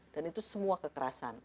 dan itu semua kekerasan